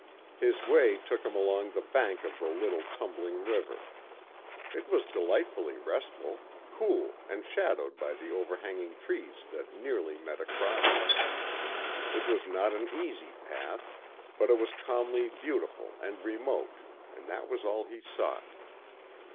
His way took him along the bank of the little tumbling river. It was delightfully restful, cool and shadowed by the overhanging trees that nearly met across it. It was not an easy path, but it was calmly beautiful and remote, and that was all he sought.